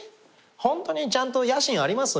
ホントにちゃんと野心あります？